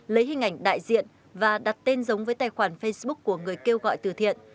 lấy hình ảnh đại diện và đặt tên giống với tài khoản facebook của người kêu gọi từ thiện